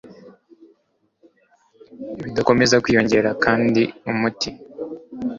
bidakomeza kwiyongera, kandi umuti